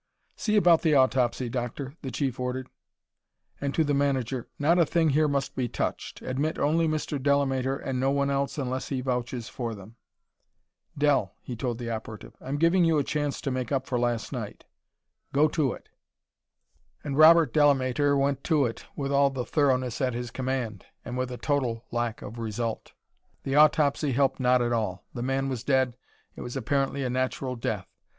"See about the autopsy, Doctor," the Chief ordered. And to the manager: "Not a thing here must be touched. Admit only Mr. Delamater and no one else unless he vouches for them. "Del," he told the operative, "I'm giving you a chance to make up for last night. Go to it." And Robert Delamater "went to it" with all the thoroughness at his command, and with a total lack of result. The autopsy helped not at all. The man was dead; it was apparently a natural death.